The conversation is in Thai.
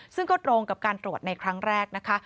ซึ่งก็ตรงกับการตรวจในครั้งแรกนะคะ